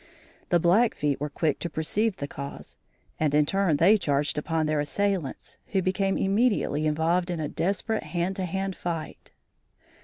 The Blackfeet were quick to perceive the cause, and in turn they charged upon their assailants who became immediately involved in a desperate hand to hand fight.